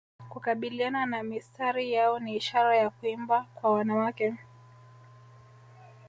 Kukabiliana na mistari yao ni ishara ya kuimba kwa wanawake